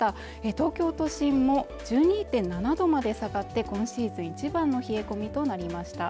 東京都心も１２．７度まで下がって今シーズン一番の冷え込みとなりました